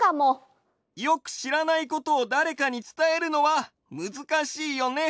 よくしらないことをだれかにつたえるのはむずかしいよね。